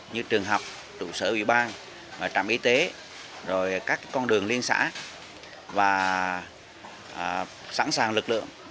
như trường học trụ sở ủy ban trạm y tế rồi các con đường liên xã và sẵn sàng lực lượng